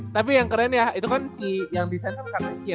tapi yang keren ya itu kan si yang desainer kan